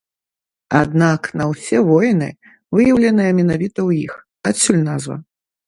Аднак на ўсе воіны выяўленыя менавіта ў іх, адсюль назва.